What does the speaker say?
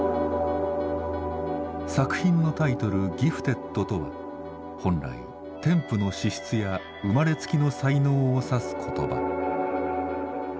作品のタイトル「ギフテッド」とは本来天賦の資質や生まれつきの才能を指す言葉。